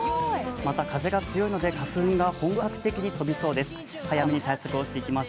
また、風が強いので花粉が本格的に飛びます。